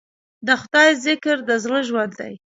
د خدای ذکر د زړه ژوند دی.